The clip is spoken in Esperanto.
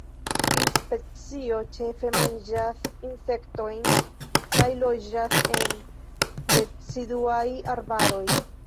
Tiu specio ĉefe manĝas insektojn, kaj loĝas en deciduaj arbaroj.